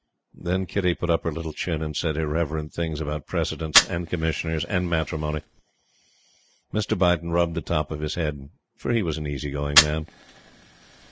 Then Kitty put up her little chin and said irreverent things about precedence, and Commissioners, and matrimony. Mr. Beighton rubbed the top of his head; for he was an easy going man.